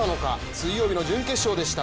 水曜日の準決勝でした。